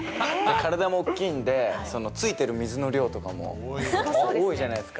体も大きいんで、ついてる水の量とかも、多いじゃないですか。